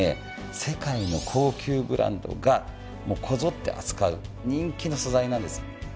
世界の高級ブランドがこぞって扱う人気の素材なんです。